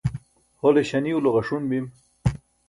hole śaniulo ġaṣun bim